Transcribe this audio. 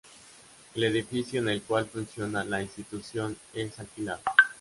El edificio en el cual funciona la institución es alquilado.